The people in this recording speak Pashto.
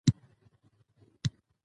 افغانستان د تنوع له امله شهرت لري.